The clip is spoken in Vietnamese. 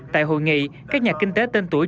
tại hội nghị các nhà kinh tế tên tuổi